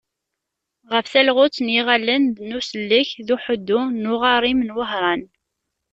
Ɣef talɣut n yiɣallen n usellek d uḥuddu n uɣarim n Wehran.